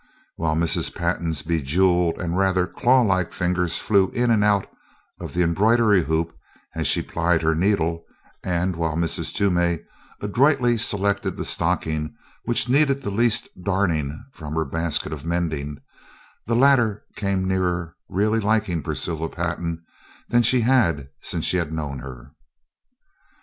While Mrs. Pantin's bejewelled and rather clawlike fingers flew in and out of the embroidery hoop as she plied her needle, and while Mrs. Toomey adroitly selected the stockings which needed the least darning from her basket of mending, the latter came nearer really liking Priscilla Pantin than she had since she had known her.